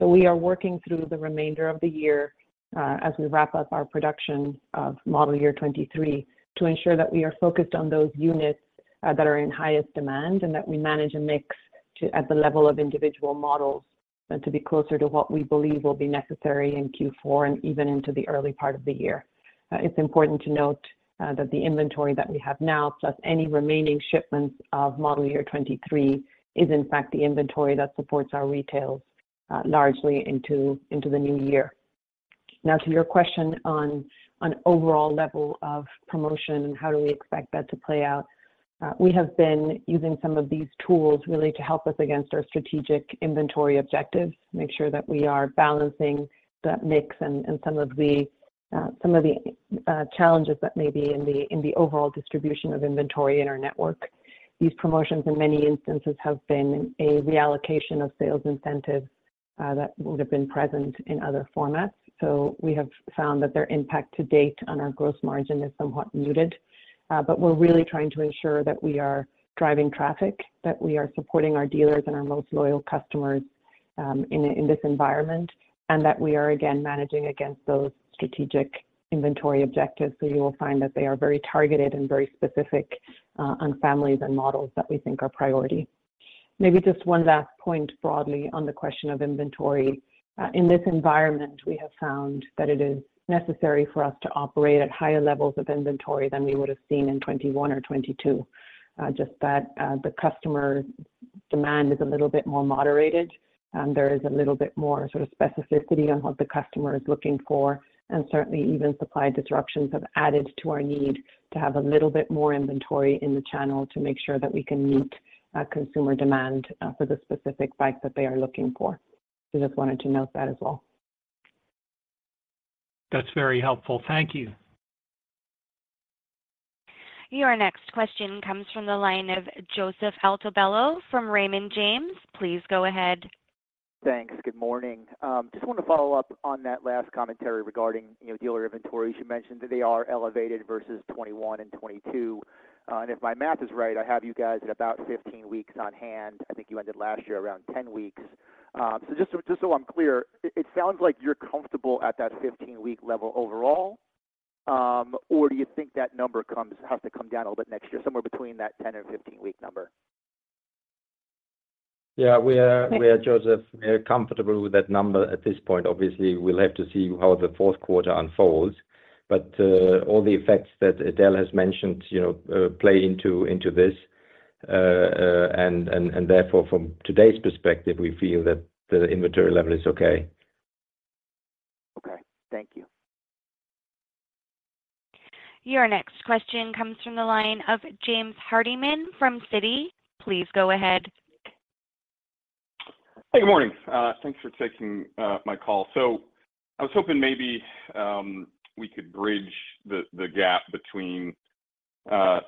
We are working through the remainder of the year as we wrap up our production of model year 23 to ensure that we are focused on those units that are in highest demand, and that we manage a mix at the level of individual models and to be closer to what we believe will be necessary in Q4 and even into the early part of the year. It's important to note that the inventory that we have now, plus any remaining shipments of model year 23, is in fact the inventory that supports our retails largely into the new year. Now, to your question on overall level of promotion and how do we expect that to play out, we have been using some of these tools really to help us against our strategic inventory objectives, to make sure that we are balancing the mix and some of the challenges that may be in the overall distribution of inventory in our network. These promotions, in many instances, have been a reallocation of sales incentives that would have been present in other formats. So we have found that their impact to date on our gross margin is somewhat muted. But we're really trying to ensure that we are driving traffic, that we are supporting our dealers and our most loyal customers in this environment, and that we are, again, managing against those strategic inventory objectives. So you will find that they are very targeted and very specific, on families and models that we think are priority. Maybe just one last point broadly on the question of inventory. In this environment, we have found that it is necessary for us to operate at higher levels of inventory than we would have seen in 2021 or 2022. Just that, the customer demand is a little bit more moderated, and there is a little bit more sort of specificity on what the customer is looking for, and certainly even supply disruptions have added to our need to have a little bit more inventory in the channel to make sure that we can meet, consumer demand, for the specific bike that they are looking for. So just wanted to note that as well. That's very helpful. Thank you. Your next question comes from the line of Joseph Altobello from Raymond James. Please go ahead. Thanks. Good morning. Just want to follow up on that last commentary regarding, you know, dealer inventory. You mentioned that they are elevated versus 2021 and 2022. And if my math is right, I have you guys at about 15 weeks on hand. I think you ended last year around 10 weeks. So just, just so I'm clear, it, it sounds like you're comfortable at that 15-week level overall, or do you think that number comes has to come down a little bit next year, somewhere between that 10 and 15 week number? Yeah, we are, Joseph, we are comfortable with that number at this point. Obviously, we'll have to see how the Q4 unfolds, but all the effects that Edel has mentioned, you know, play into this. And therefore, from today's perspective, we feel that the inventory level is okay. Okay. Thank you. Your next question comes from the line of James Hardiman from Citi. Please go ahead. Hey, good morning. Thanks for taking my call. So I was hoping maybe we could bridge the gap between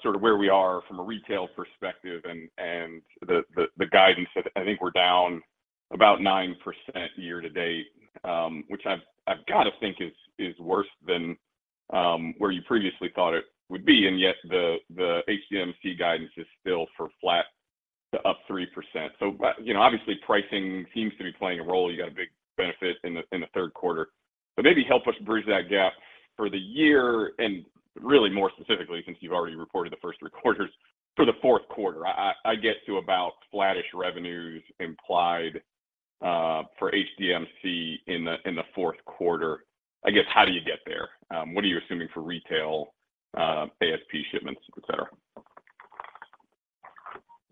sort of where we are from a retail perspective and the guidance that I think we're down about 9% year to date, which I've got to think is worse than where you previously thought it would be, and yet the HDMC guidance is still for flat to up 3%. So, but, you know, obviously, pricing seems to be playing a role. You got a big benefit in the Q3. So maybe help us bridge that gap for the year and really more specifically, since you've already reported the first three quarters, for the Q4. I get to about flattish revenues implied for HDMC in the Q4. I guess, how do you get there? What are you assuming for retail, ASP shipments, et cetera?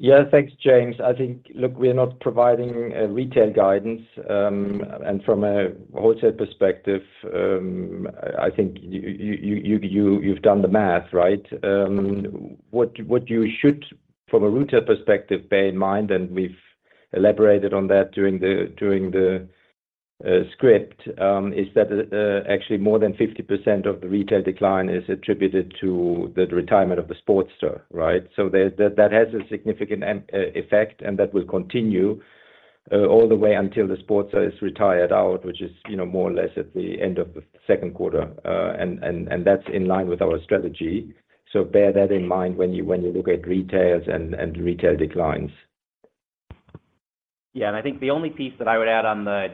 Yeah. Thanks, James. I think, look, we're not providing a retail guidance, and from a wholesale perspective, I think you've done the math, right? What you should, from a retail perspective, bear in mind, and we've elaborated on that during the script, is that actually more than 50% of the retail decline is attributed to the retirement of the Sportster, right? So that has a significant net effect, and that will continue all the way until the Sportster is retired out, which is, you know, more or less at the end of the Q2, and that's in line with our strategy. So bear that in mind when you look at retails and retail declines. Yeah, and I think the only piece that I would add on the,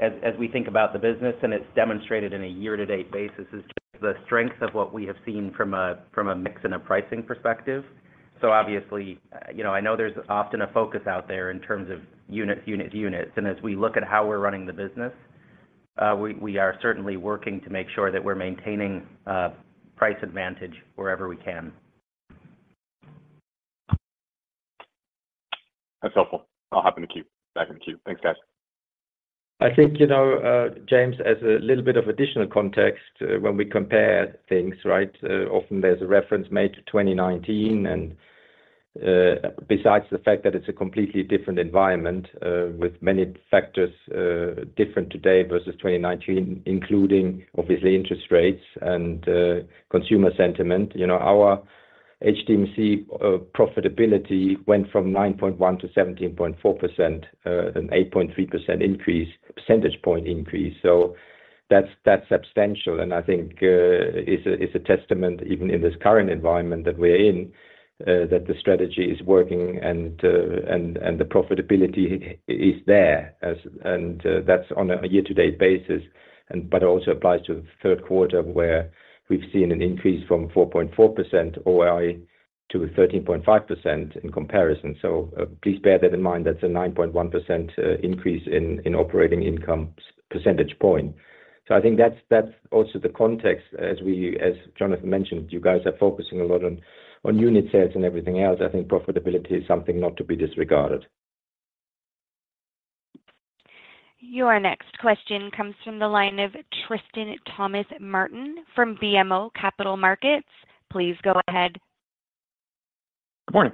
as we think about the business, and it's demonstrated in a year to date basis, is just the strength of what we have seen from a mix and a pricing perspective. So obviously, you know, I know there's often a focus out there in terms of units, units, units, and as we look at how we're running the business, we are certainly working to make sure that we're maintaining a price advantage wherever we can. That's helpful. I'll hop back in the queue. Thanks, guys. I think, you know, James, as a little bit of additional context, when we compare things, right, often there's a reference made to 2019, and, besides the fact that it's a completely different environment, with many factors, different today versus 2019, including obviously interest rates and, consumer sentiment, you know, our HDMC, profitability went from 9.1 to 17.4%, an 8.3 percentage point increase. So that's, that's substantial, and I think, is a, is a testament, even in this current environment that we're in, that the strategy is working and, and, the profitability is there. As that's on a year-to-date basis, but it also applies to the Q3, where we've seen an increase from 4.4% OI to 13.5% in comparison. Please bear that in mind. That's a 9.1% increase in operating income percentage point. I think that's also the context as we—as Jonathan mentioned, you guys are focusing a lot on unit sales and everything else. I think profitability is something not to be disregarded. Your next question comes from the line of Tristan M. Thomas-Martin from BMO Capital Markets. Please go ahead. Good morning.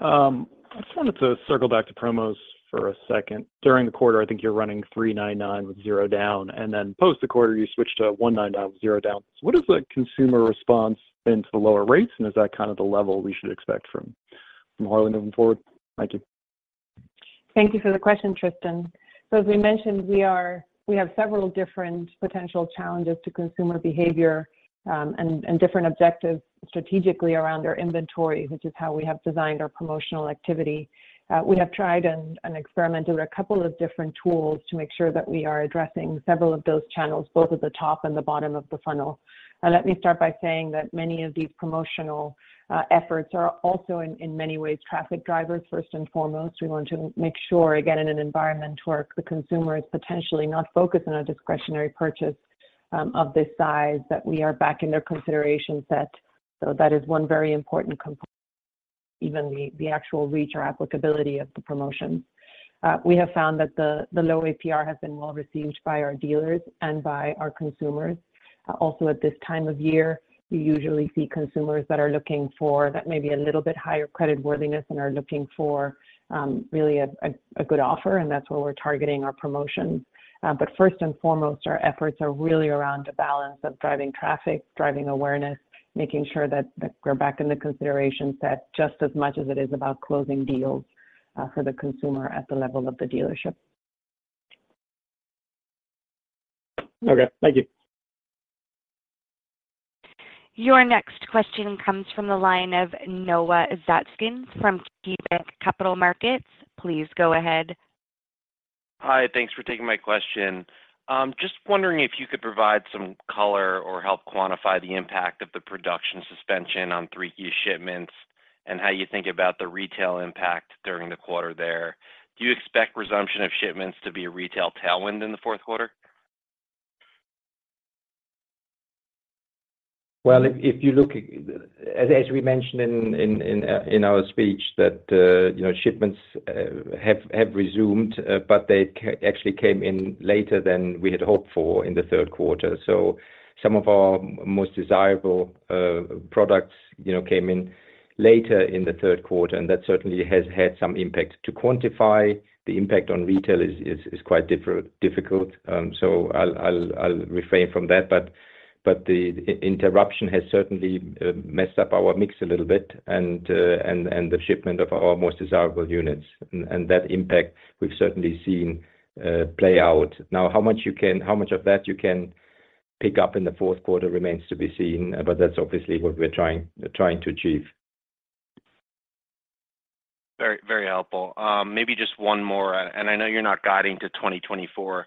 I just wanted to circle back to promos for a second. During the quarter, I think you're running $399 with $0 down, and then post the quarter, you switch to $199 with $0 down. So what is the consumer response been to the lower rates, and is that kind of the level we should expect from Harley moving forward? Thank you. Thank you for the question, Tristan. So as we mentioned, we are, we have several different potential challenges to consumer behavior, and different objectives strategically around our inventory, which is how we have designed our promotional activity. We have tried and experimented with a couple of different tools to make sure that we are addressing several of those channels, both at the top and the bottom of the funnel. Let me start by saying that many of these promotional efforts are also in many ways traffic drivers. First and foremost, we want to make sure, again, in an environment where the consumer is potentially not focused on a discretionary purchase of this size, that we are back in their consideration set. So that is one very important component.... even the actual reach or applicability of the promotion. We have found that the low APR has been well received by our dealers and by our consumers. Also at this time of year, we usually see consumers that are looking for that maybe a little bit higher credit worthiness and are looking for really a good offer, and that's where we're targeting our promotions. But first and foremost, our efforts are really around the balance of driving traffic, driving awareness, making sure that we're back in the consideration set, just as much as it is about closing deals for the consumer at the level of the dealership. Okay, thank you. Your next question comes from the line of Noah Zatzkin from KeyBanc Capital Markets. Please go ahead. Hi, thanks for taking my question. Just wondering if you could provide some color or help quantify the impact of the production suspension on Q3 shipments and how you think about the retail impact during the quarter there. Do you expect resumption of shipments to be a retail tailwind in the Q4? Well, if you look at, as we mentioned in our speech, that you know, shipments have resumed, but they actually came in later than we had hoped for in the Q3. So some of our most desirable products, you know, came in later in the Q3, and that certainly has had some impact. To quantify the impact on retail is quite difficult, so I'll refrain from that. But the interruption has certainly messed up our mix a little bit and the shipment of our most desirable units. And that impact we've certainly seen play out. Now, how much of that you can pick up in the Q4 remains to be seen, but that's obviously what we're trying to achieve. Very, very helpful. Maybe just one more, and I know you're not guiding to 2024.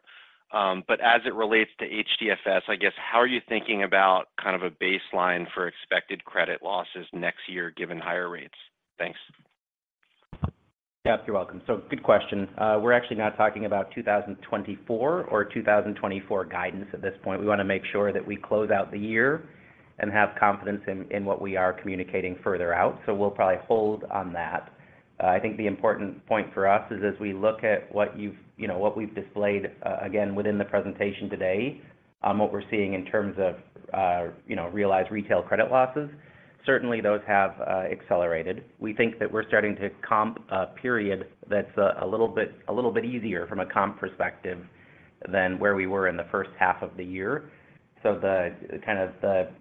But as it relates to HDFS, I guess, how are you thinking about kind of a baseline for expected credit losses next year, given higher rates? Thanks. Yeah, you're welcome. So good question. We're actually not talking about 2024 or 2024 guidance at this point. We want to make sure that we close out the year and have confidence in what we are communicating further out. So we'll probably hold on that. I think the important point for us is, as we look at what you've. You know, what we've displayed, again, within the presentation today, what we're seeing in terms of, you know, realized retail credit losses, certainly those have accelerated. We think that we're starting to comp a period that's a little bit, a little bit easier from a comp perspective than where we were in the first half of the year. So the kind of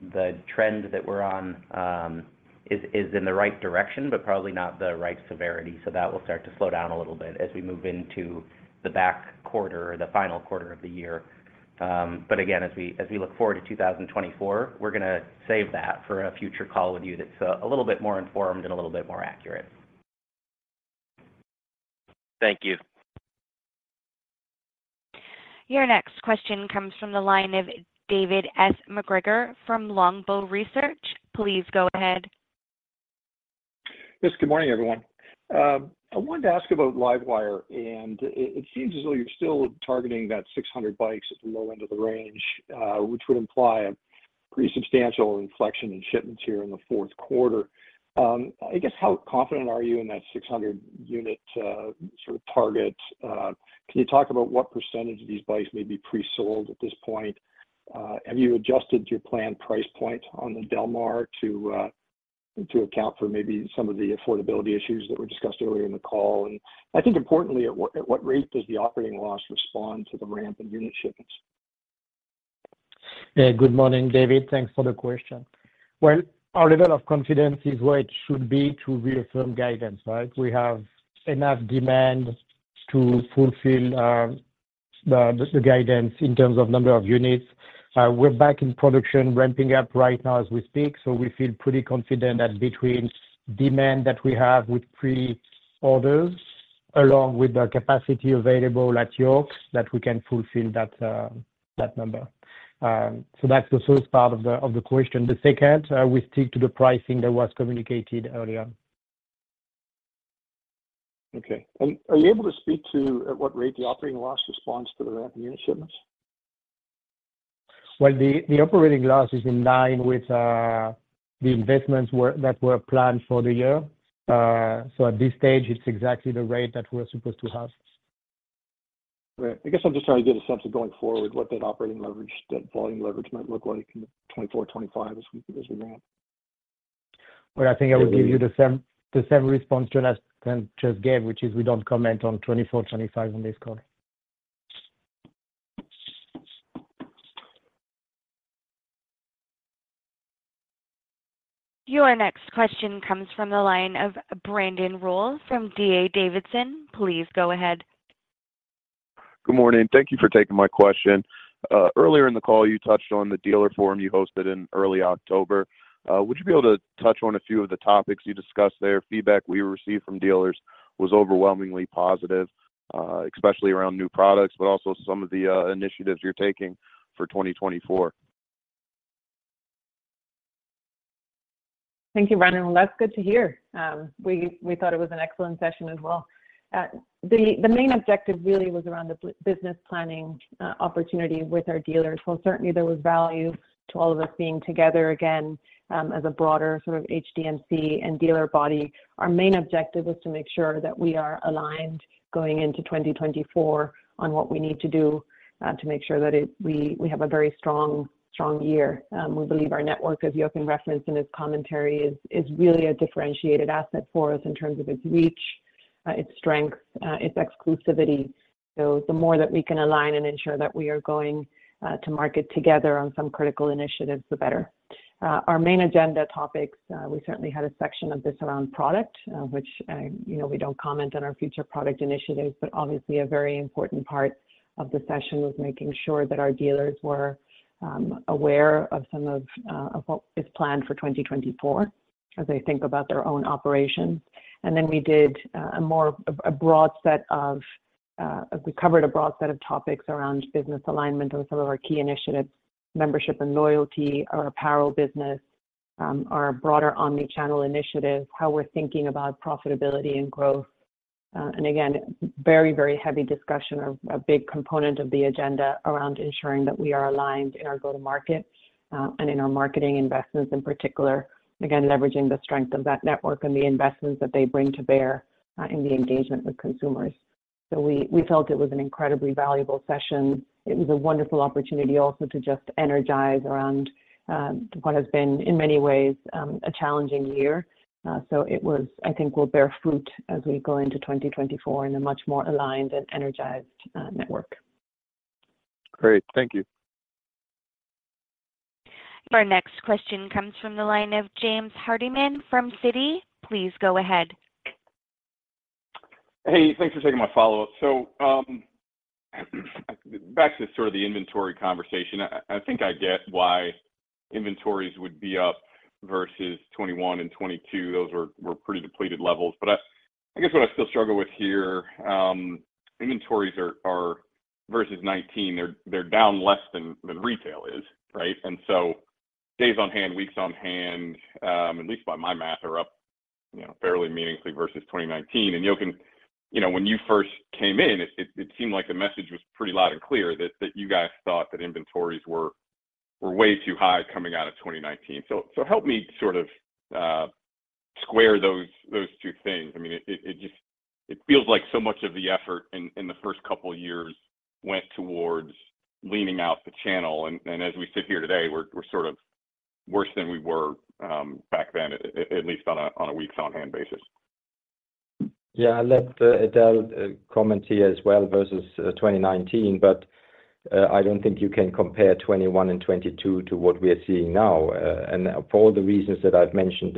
the trend that we're on is in the right direction, but probably not the right severity. So that will start to slow down a little bit as we move into the back quarter or the final quarter of the year. But again, as we look forward to 2024, we're gonna save that for a future call with you that's a little bit more informed and a little bit more accurate. Thank you. Your next question comes from the line of David S. MacGregor from Longbow Research. Please go ahead. Yes, good morning, everyone. I wanted to ask about LiveWire, and it seems as though you're still targeting that 600 bikes at the low end of the range, which would imply a pretty substantial inflection in shipments here in the Q4. I guess, how confident are you in that 600-unit sort of target? Can you talk about what percentage of these bikes may be pre-sold at this point? Have you adjusted your planned price point on the Del Mar to account for maybe some of the affordability issues that were discussed earlier in the call? And I think importantly, at what rate does the operating loss respond to the ramp in unit shipments? Good morning, David. Thanks for the question. Well, our level of confidence is where it should be to reaffirm guidance, right? We have enough demand to fulfill the guidance in terms of number of units. We're back in production, ramping up right now as we speak, so we feel pretty confident that between demand that we have with pre-orders, along with the capacity available at York, that we can fulfill that number. So that's the first part of the question. The second, we stick to the pricing that was communicated earlier. Okay. And are you able to speak to at what rate the operating loss responds to the ramp in unit shipments? Well, the operating loss is in line with the investments that were planned for the year. So at this stage, it's exactly the rate that we're supposed to have. Right. I guess I'm just trying to get a sense of going forward, what that operating leverage, that volume leverage might look like in 2024, 2025 as we, as we ramp? Well, I think I will give you the same, the same response Jonathan just gave, which is we don't comment on 2024, 2025 on this call. Your next question comes from the line of Brandon Rolle from D.A. Davidson. Please go ahead. Good morning. Thank you for taking my question. Earlier in the call, you touched on the dealer forum you hosted in early October. Would you be able to touch on a few of the topics you discussed there? Feedback we received from dealers was overwhelmingly positive, especially around new products, but also some of the initiatives you're taking for 2024. Thank you, Brandon. Well, that's good to hear. We thought it was an excellent session as well. The main objective really was around the business planning opportunity with our dealers, while certainly there was value to all of us being together again, as a broader sort of HDMC and dealer body. Our main objective was to make sure that we are aligned going into 2024 on what we need to do to make sure that we have a very strong year. We believe our network, as Jochen referenced in his commentary, is really a differentiated asset for us in terms of its reach, its strength, its exclusivity. So the more that we can align and ensure that we are going to market together on some critical initiatives, the better. Our main agenda topics, we certainly had a section of this around product, which, you know, we don't comment on our future product initiatives, but obviously a very important part of the session was making sure that our dealers were aware of some of what is planned for 2024 as they think about their own operations. And then we did a more, a broad set of, we covered a broad set of topics around business alignment on some of our key initiatives, membership and loyalty, our apparel business, our broader omni-channel initiatives, how we're thinking about profitability and growth. And again, very, very heavy discussion of a big component of the agenda around ensuring that we are aligned in our go-to-market and in our marketing investments in particular. Again, leveraging the strength of that network and the investments that they bring to bear, in the engagement with consumers. So we, we felt it was an incredibly valuable session. It was a wonderful opportunity also to just energize around, what has been, in many ways, a challenging year. So it was... I think will bear fruit as we go into 2024 in a much more aligned and energized, network. Great. Thank you. Our next question comes from the line of James Hardiman from Citi. Please go ahead. Hey, thanks for taking my follow-up. So, back to sort of the inventory conversation, I think I get why inventories would be up versus 2021 and 2022. Those were pretty depleted levels. But, I guess what I still struggle with here, inventories are versus 2019, they're down less than retail is, right? And so days on hand, weeks on hand, at least by my math, are up, you know, fairly meaningfully versus 2019. And Jochen, you know, when you first came in, it seemed like the message was pretty loud and clear that you guys thought that inventories were way too high coming out of 2019. So, help me sort of square those two things. I mean, it just feels like so much of the effort in the first couple of years went towards leaning out the channel. And as we sit here today, we're sort of worse than we were back then, at least on a weeks on hand basis. Yeah. I'll let Edel comment here as well versus 2019, but I don't think you can compare 2021 and 2022 to what we are seeing now. And for all the reasons that I've mentioned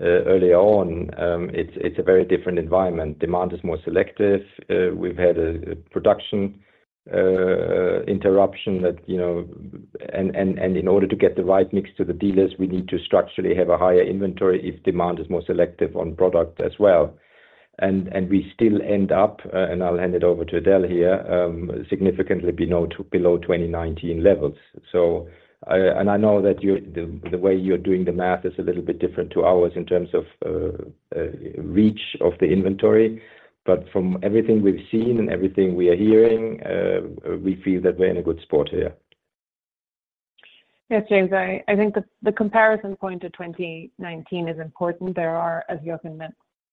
earlier on, it's a very different environment. Demand is more selective. We've had a production interruption that, you know... And in order to get the right mix to the dealers, we need to structurally have a higher inventory if demand is more selective on product as well. And we still end up, and I'll hand it over to Edel here, significantly below 2019 levels. I know that you, the way you're doing the math is a little bit different to ours in terms of reach of the inventory, but from everything we've seen and everything we are hearing, we feel that we're in a good spot here. Yes, James, I think the comparison point to 2019 is important. There are, as Jochen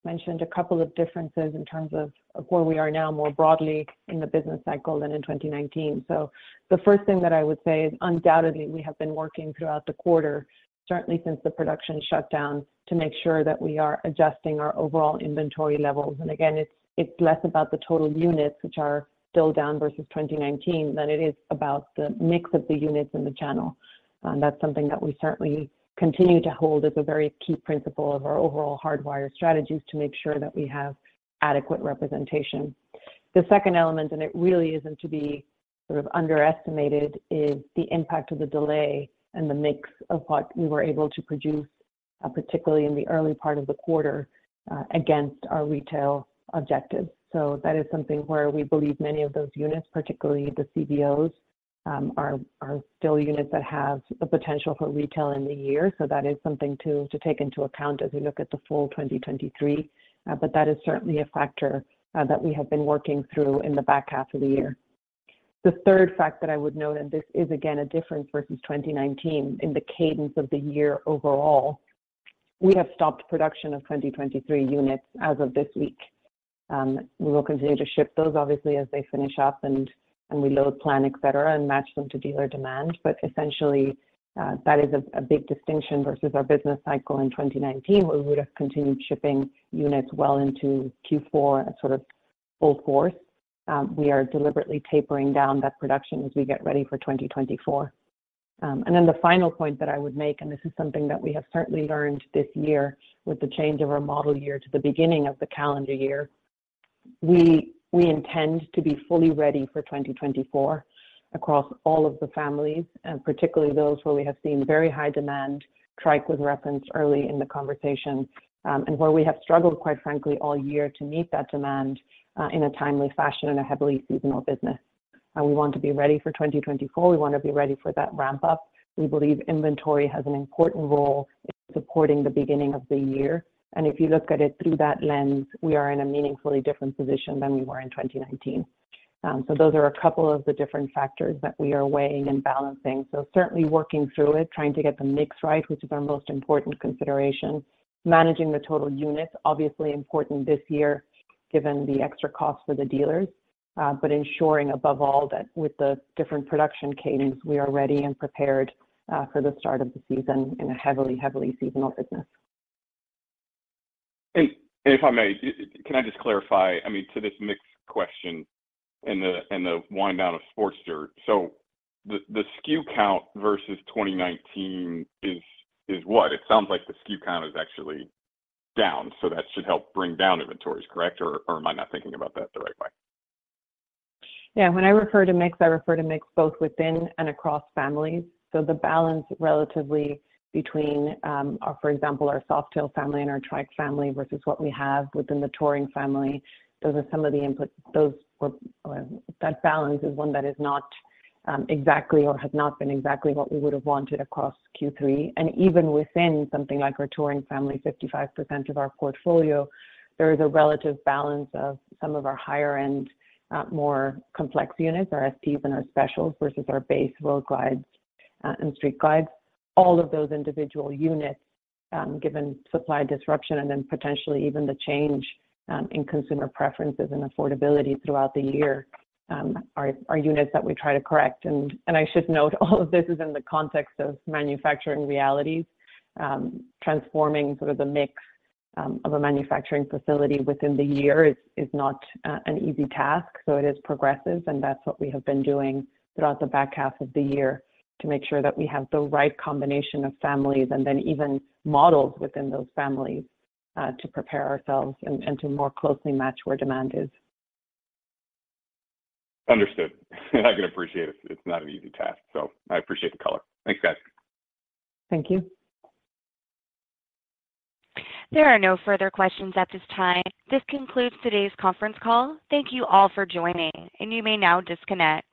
mentioned, a couple of differences in terms of where we are now, more broadly in the business cycle than in 2019. So the first thing that I would say is undoubtedly, we have been working throughout the quarter, certainly since the production shutdown, to make sure that we are adjusting our overall inventory levels. And again, it's less about the total units, which are still down versus 2019, than it is about the mix of the units in the channel. And that's something that we certainly continue to hold as a very key principle of our overall Hardwire strategies, to make sure that we have adequate representation. The second element, and it really isn't to be sort of underestimated, is the impact of the delay and the mix of what we were able to produce, particularly in the early part of the quarter, against our retail objectives. So that is something where we believe many of those units, particularly the CVOs, are still units that have the potential for retail in the year. So that is something to take into account as we look at the full 2023. But that is certainly a factor, that we have been working through in the back half of the year. The third fact that I would note, and this is again, a difference versus 2019 in the cadence of the year overall, we have stopped production of 2023 units as of this week. We will continue to ship those, obviously, as they finish up and we load plan, et cetera, and match them to dealer demand. But essentially, that is a big distinction versus our business cycle in 2019, where we would have continued shipping units well into Q4 at sort of full force. We are deliberately tapering down that production as we get ready for 2024. And then the final point that I would make, and this is something that we have certainly learned this year with the change of our model year to the beginning of the calendar year, we intend to be fully ready for 2024 across all of the families, and particularly those where we have seen very high demand, Trike was referenced early in the conversation, and where we have struggled, quite frankly, all year to meet that demand, in a timely fashion in a heavily seasonal business. And we want to be ready for 2024. We want to be ready for that ramp up. We believe inventory has an important role in supporting the beginning of the year, and if you look at it through that lens, we are in a meaningfully different position than we were in 2019. So those are a couple of the different factors that we are weighing and balancing. So certainly working through it, trying to get the mix right, which is our most important consideration. Managing the total units, obviously important this year, given the extra cost for the dealers, but ensuring above all that with the different production cadence, we are ready and prepared for the start of the season in a heavily, heavily seasonal business. And if I may, can I just clarify? I mean, to this mixed question and the wind down of Sportster. So the SKU count versus 2019 is what? It sounds like the SKU count is actually down, so that should help bring down inventories, correct? Or am I not thinking about that the right way? Yeah, when I refer to mix, I refer to mix both within and across families. So the balance relatively between, for example, our Softail family and our Trike family, versus what we have within the Touring family. Those are some of the inputs. Or that balance is one that is not exactly or has not been exactly what we would have wanted across Q3. And even within something like our Touring family, 55% of our portfolio, there is a relative balance of some of our higher end, more complex units, our STs and our Specials, versus our base Road Glides and Street Glides. All of those individual units, given supply disruption and then potentially even the change in consumer preferences and affordability throughout the year, are units that we try to correct. I should note, all of this is in the context of manufacturing realities. Transforming sort of the mix of a manufacturing facility within the year is not an easy task. So it is progressive, and that's what we have been doing throughout the back half of the year to make sure that we have the right combination of families and then even models within those families to prepare ourselves and to more closely match where demand is. Understood. I can appreciate it. It's not an easy task, so I appreciate the color. Thanks, guys. Thank you. There are no further questions at this time. This concludes today's conference call. Thank you all for joining, and you may now disconnect.